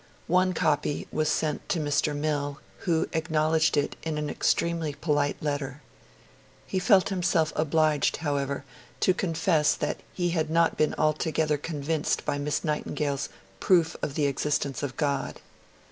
One copy was sent to Mr. Mill, who acknowledged it in an extremely polite letter. He felt himself obliged, however, to confess that he had not been altogether convinced by Miss Nightingale's proof of the existence of God.